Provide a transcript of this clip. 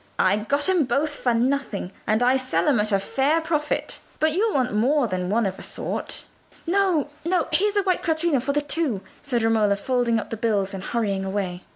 I got 'em both for nothing, and I sell 'em at a fair profit. But you'll want more than one of a sort?" "No, no: here's a white quattrino for the two," said Romola, folding up the bills and hurrying away.